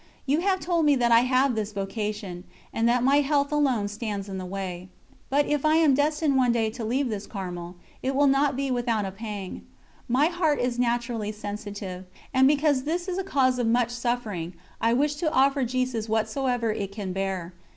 You have told me that I have this vocation, and that my health alone stands in the way. But if I am destined one day to leave this Carmel, it will not be without a pang. My heart is naturally sensitive, and because this is a cause of much suffering, I wish to offer Jesus whatsoever it can bear.